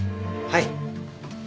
はい。